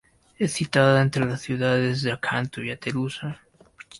Es citada entre las ciudades de Acanto y Aretusa.